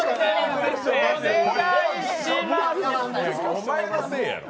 お前のせいやろ。